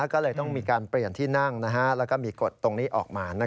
ก็เลยต้องมีการเปลี่ยนที่นั่งแล้วก็มีกฎตรงนี้ออกมา